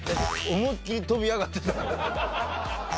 思いっ切り飛び上がってた。